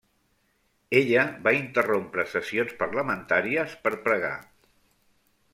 Ella va interrompre sessions parlamentàries per pregar.